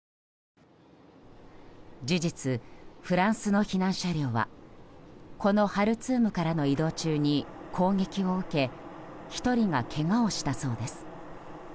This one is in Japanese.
事実、フランスの避難車両はこのハルツームからの移動中に攻撃を受け１人がけがをしたそうです。